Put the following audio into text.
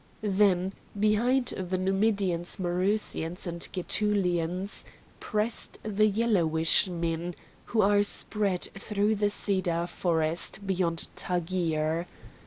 Then behind the Numidians, Marusians, and Gætulians pressed the yellowish men, who are spread through the cedar forests beyond Taggir.